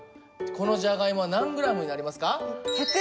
このジャガイモは何ｇになりますか？